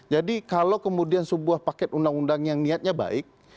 jadi kalau kemudian sebuah paket undang undang yang niatnya baik